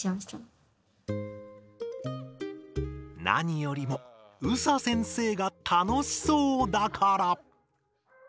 なによりもＳＡ先生が楽しそうだから。